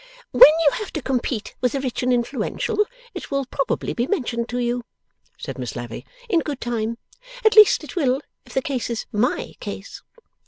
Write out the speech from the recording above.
'When you have to compete with the rich and influential, it will probably be mentioned to you,' said Miss Lavvy, 'in good time. At least, it will if the case is MY case.